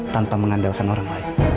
tanpa mengandalkan orang lain